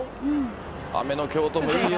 雨の京都もいいよ。